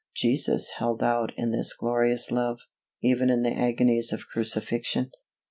Jesus held out in this glorious love, even in the agonies of crucifixion.